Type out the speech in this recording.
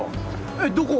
えっどこ！？